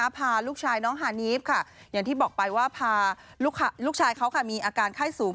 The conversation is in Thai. พาลูกชายน้องฮานีฟค่ะอย่างที่บอกไปว่าพาลูกชายเขามีอาการไข้สูง